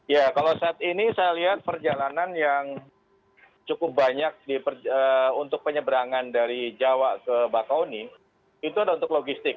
ya kalau saat ini saya lihat perjalanan yang cukup banyak untuk penyeberangan dari jawa ke bakauni itu ada untuk logistik